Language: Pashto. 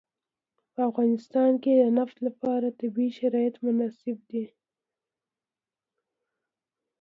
په افغانستان کې د نفت لپاره طبیعي شرایط مناسب دي.